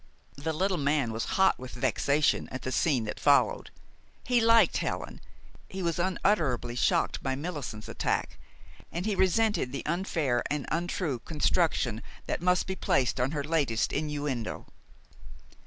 The little man was hot with vexation at the scene that followed. He liked Helen; he was unutterably shocked by Millicent's attack; and he resented the unfair and untrue construction that must be placed on her latest innuendo.